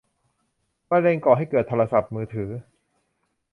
มะเร็งก่อให้เกิดโทรศัพท์มือถือ ?